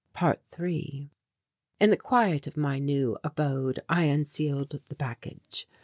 ~3~ In the quiet of my new abode I unsealed the package.